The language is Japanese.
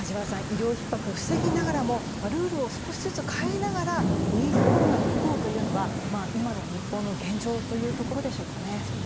医療ひっ迫を防ぎながらもルールを少しずつ変えながらウィズコロナでいこうというのが今の日本の現状というところですかね。